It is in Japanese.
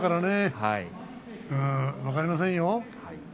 分かりませんよ。